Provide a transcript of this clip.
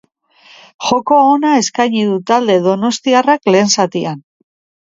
Joko ona eskaini du talde donostiarrak lehen zatian.